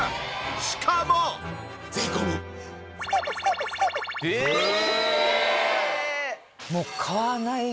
しかも。ええーっ！？